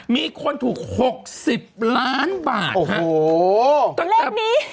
มีคนถูก๖๐ล้านบาทครับโอ้โหเลขนี้